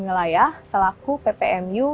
ngelayah selaku ppmu